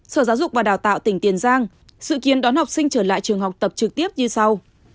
sở giáo dục và đào tạo tỉnh tiền giang dự kiến đón học sinh trở lại trường học tập trực tiếp như sau